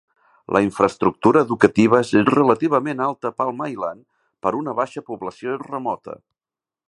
La infraestructura educativa és relativament alta a Palm Island per a una baixa població remota.